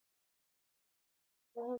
Watu wa kolwezi niwa shujaa ku kazi